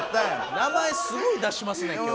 名前すごい出しますね今日。